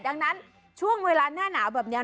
ดังนั้นช่วงเวลาน่าแบบนี้